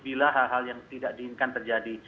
bila hal hal yang tidak diinginkan terjadi